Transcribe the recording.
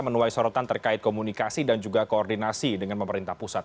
menuai sorotan terkait komunikasi dan juga koordinasi dengan pemerintah pusat